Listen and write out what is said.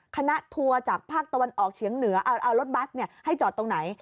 ทัวร์จากภาคตะวันออกเฉียงเหนือเอารถบัสให้จอดตรงไหน